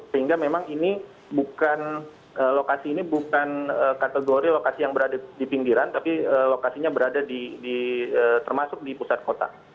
sehingga memang ini bukan lokasi ini bukan kategori lokasi yang berada di pinggiran tapi lokasinya berada di termasuk di pusat kota